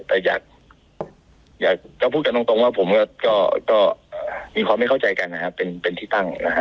แต่อยากจะพูดแจ้งจนดงว่ามีความไม่เข้าใจกันนะฮะเป็นที่ตั้งนะฮะ